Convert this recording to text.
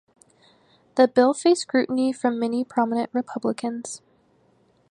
The bill faced scrutiny from many prominent Republicans.